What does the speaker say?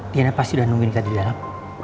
diana pasti udah nunggu kita di dalam